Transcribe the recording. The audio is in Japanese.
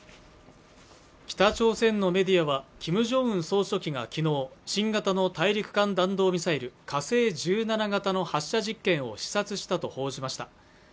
北朝鮮のメディアはキム・ジョンウン総書記がきのう新型の大陸間弾道ミサイル火星１７型の発射実験を視察したと報じました